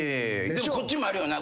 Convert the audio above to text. こっちもあるよな。